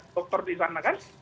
doktor di sana kan